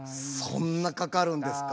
そんなかかるんですか？